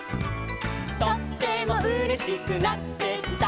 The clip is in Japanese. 「とってもうれしくなってきた」